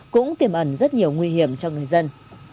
cũng tiềm ẩn rất nhiều nguy hiểm cho người dân